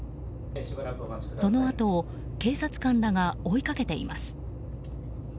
そのあとを警察官らが追いかけています。